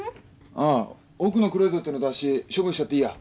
あぁ奥のクロゼットの雑誌処分しちゃっていいや。